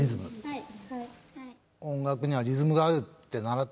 はい。